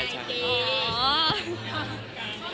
พี่เมียโน่